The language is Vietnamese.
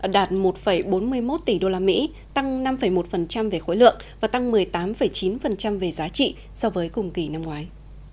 đạt một bốn mươi một tỷ usd tăng năm một về khối lượng và tăng một mươi tám chín về giá trị so với cùng kỳ năm ngoái